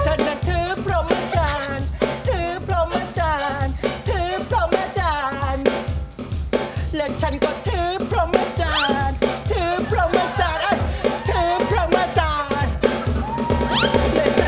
สี่เดือนเปิดมาไม่มีใครฟังคุณจะซ้ั้มกันไปทำไม